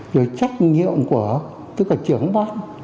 rồi trách nhiệm của tư cực trưởng ban